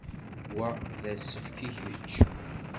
Wa d asefk i kečč.